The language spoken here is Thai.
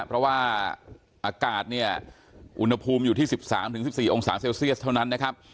เพราะว่าอากาศเนี่ยอุณหภูมิอยู่ที่๑๓๑๔องศาเซลเซียสเท่านั้นนะครับ